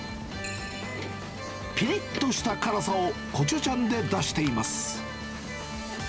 ぴりっとした辛さをコチュジャンで出しています。